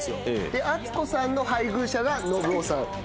で敦子さんの配偶者が信雄さん。